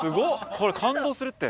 これ感動するって！